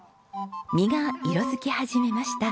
実が色づき始めました。